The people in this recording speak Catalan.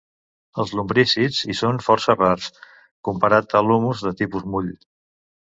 Els lumbrícids hi són força rars, comparat a l'humus de tipus mull.